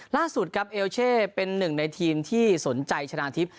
ล่าสุดครับเอลเช่เป็นหนึ่งในทีมที่สนใจชนะทิพย